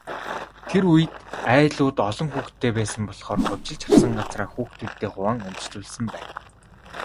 Тэр үед, айлууд олон хүүхэдтэй байсан болохоор хувьчилж авсан газраа хүүхдүүддээ хуваан өмчлүүлсэн байна.